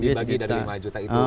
dibagi dari lima juta itu